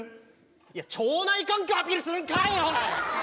いや腸内環境アピールするんかい！